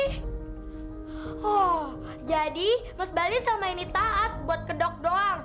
oh jadi mas baldi selma ini takut buat kedok doang